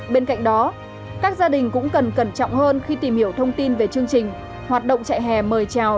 bên cạnh đó các gia đình cũng cần cẩn trọng hơn khi tìm hiểu thông tin về chương trình hoạt động chạy hè mời chào